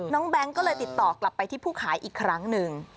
แก๊งก็เลยติดต่อกลับไปที่ผู้ขายอีกครั้งหนึ่ง